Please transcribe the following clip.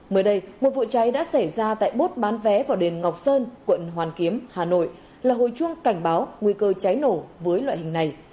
mới đây một vụ cháy đã xảy ra tại bốt bán vé vào đền ngọc sơn quận hoàn kiếm hà nội là hồi chuông cảnh báo nguy cơ cháy nổ với loại hình này